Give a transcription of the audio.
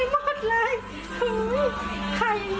เหนื่อยจังเลยเหนื่อยจังเลย